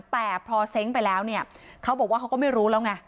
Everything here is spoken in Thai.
แต่พอเซ้งไปแล้วเนี่ยเขาบอกว่าเขาก็ไม่รู้แล้วไง